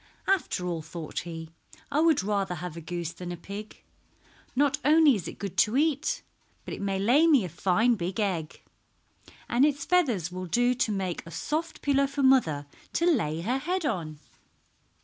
"After all," thought he, "I would rather have a goose than a pig. Not only is it good to eat, but it may lay me a fine big egg, and its feathers will do to make a soft pillow for mother to lay her head on."